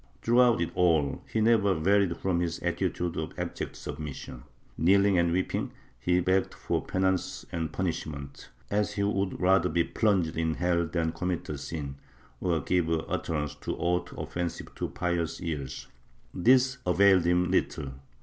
Throughout it all he never varied from his attitude of abject submission; kneeling and weeping he begged for penance and punishment, as he would rather be plunged in hell than commit a sin or give utter ance to aught offensive to pious ears. This availed him little.